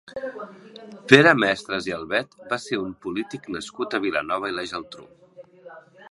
Pere Mestres i Albet va ser un polític nascut a Vilanova i la Geltrú.